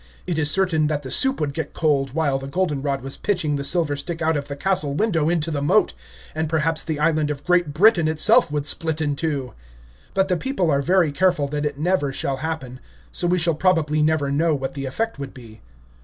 It is certain that the soup would get cold while the Golden Rod was pitching the Silver Stick out of the Castle window into the moat, and perhaps the island of Great Britain itself would split in two. But the people are very careful that it never shall happen, so we shall probably never know what the effect would be.